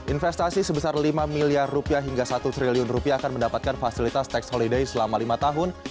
investasi sebesar lima miliar rupiah hingga satu triliun rupiah akan mendapatkan fasilitas tax holiday selama lima tahun